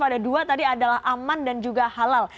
ada dua tadi adalah aman dan juga halal